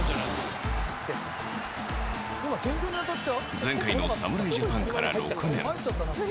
前回の侍ジャパンから６年。